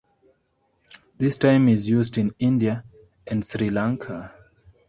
This time is used in India and Sri Lanka.